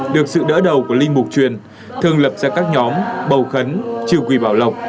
được sự đỡ đầu của linh mục truyền thường lập ra các nhóm bầu khấn trừ quỷ bảo lộc